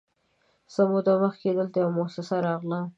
_څه موده مخکې دلته يوه موسسه راغله،